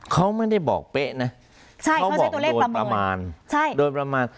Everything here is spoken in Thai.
เขาไม่ได้บอกเป๊ะนะเขาบอกโดยประมาณ